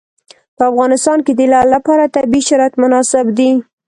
په افغانستان کې د لعل لپاره طبیعي شرایط مناسب دي.